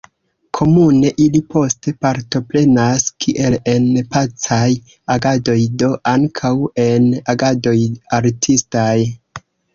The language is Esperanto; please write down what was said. Komune ili poste partoprenas kiel en pacaj agadoj, do ankaŭ en agadoj artistaj.